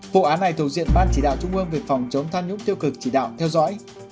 vụ án này thuộc diện ban chỉ đạo trung ương về phòng chống tham nhũng tiêu cực chỉ đạo theo dõi